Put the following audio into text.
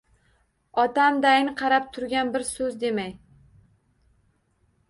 Otamdayin qarab turgan bir so’z demay